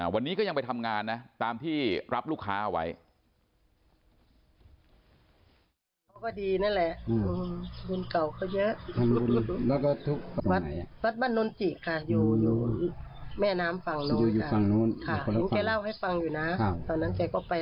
วันนี้ก็ยังไปทำงานนะตามที่รับลูกค้าเอาไว้